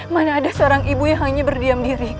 mana ada seorang ibu yang hanya berdiam diri